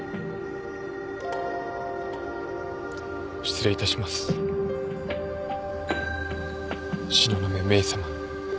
失礼いたします東雲メイさま。